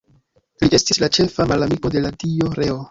Li estis la ĉefa malamiko de la dio Reo.